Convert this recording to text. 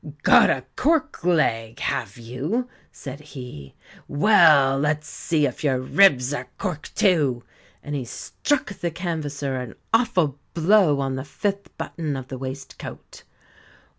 "Got a cork leg, have you?" said he "Well, let's see if your ribs are cork too," and he struck the canvasser an awful blow on the fifth button of the waistcoat.